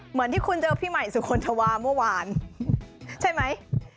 เหมือนที่คุณเจอพี่ใหม่สุคลธวาเมื่อวานใช่ไหม